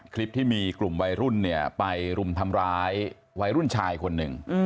คลิปที่มีกลุ่มวัยรุ่นเนี่ยไปรุมทำร้ายวัยรุ่นชายคนหนึ่ง